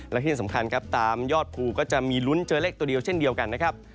และที่สำคัญครับตามยอดภูก็จะมีลุ้นเจอเลขตัวเดียวเช่นเดียวกันนะครับ